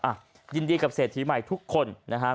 อ่ะยินดีกับเศรษฐีใหม่ทุกคนนะฮะ